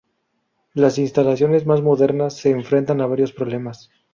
Las instalaciones más modernas se enfrentan a varios problemas.